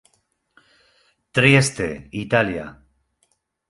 Trieste, Italia.